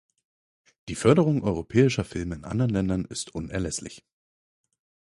Die Förderung europäischer Filme in anderen Ländern ist unerlässlich.